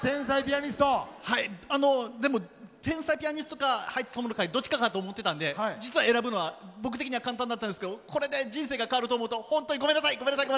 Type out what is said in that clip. あのでも天才ピアニストかハイツ友の会どっちかかと思ってたんで実は選ぶのは僕的には簡単だったんですけどこれで人生が変わると思うと本当にごめんなさいごめんなさい。